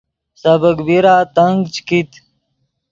سبیک بیرا تنگ چے کیت